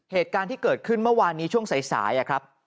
เหตุการณ์ที่เกิดขึ้นเมื่อวานนี้ช่วงสายครับ